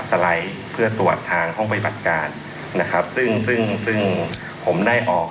สไลด์เพื่อตรวจทางห้องปฏิบัติการนะครับซึ่งซึ่งผมได้ออก